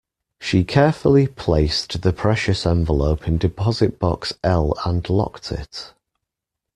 She carefully placed the precious envelope in deposit box L and locked it.